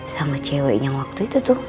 sama cewek yang waktu itu tuh